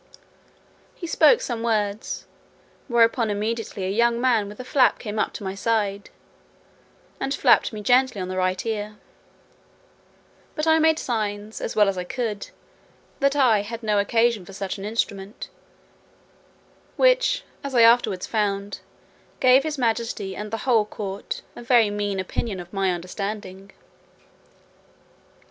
He spoke some words, whereupon immediately a young man with a flap came up to my side, and flapped me gently on the right ear; but I made signs, as well as I could, that I had no occasion for such an instrument; which, as I afterwards found, gave his majesty, and the whole court, a very mean opinion of my understanding.